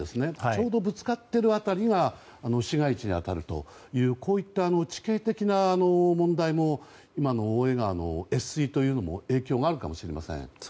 ちょうどぶつかっている辺りが市街地に当たるというこういった地形的な問題も今の川の越水というのも影響があるかもしれません。